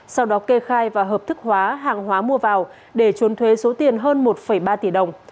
sau đó kê khai và hợp thức hóa hàng hóa mua bán